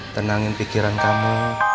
tenangin pikiran kamu